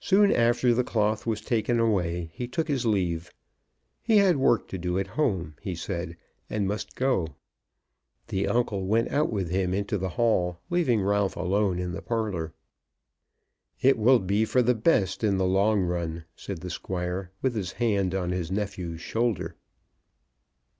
Soon after the cloth was taken away he took his leave. He had work to do at home, he said, and must go. His uncle went out with him into the hall, leaving Ralph alone in the parlour. "It will be for the best in the long run," said the Squire, with his hand on his nephew's shoulder.